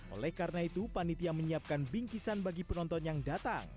oleh karena itu panitia menyiapkan bingkisan bagi penonton yang datang